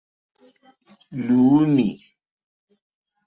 Lúúnî.